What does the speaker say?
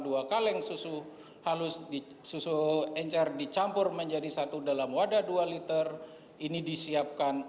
dua kaleng susu halus di susu encer dicampur menjadi satu dalam wadah dua liter ini disiapkan